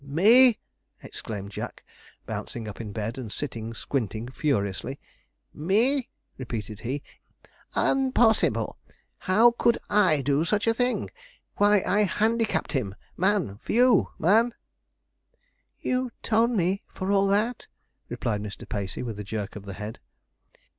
'Me!' exclaimed Jack, bouncing up in bed, and sitting squinting furiously. 'Me!' repeated he; '_un_possible. How could I do such a thing? Why, I handicap'd him, man, for you, man?' 'You told me, for all that,' replied Mr. Pacey, with a jerk of the head.